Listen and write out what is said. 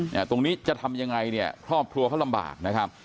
ตรงนี้จะทำยังไงเนี่ยครอบครัวเขาลำบากนะครับ